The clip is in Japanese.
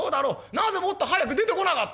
なぜもっと早く出てこなかった？」。